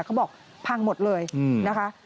เขาบอกพังหมดเลยนะคะ